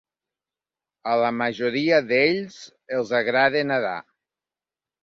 A la majoria d'ells els agrada nedar.